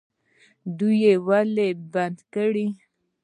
دا یې ولې بندي کړي؟